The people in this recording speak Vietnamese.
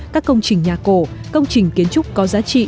các công trình nhà cổ công trình kiến trúc có giá trị